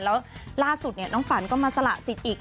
แล้วล่าสุดน้องฝันก็มาสละสิทธิ์อีก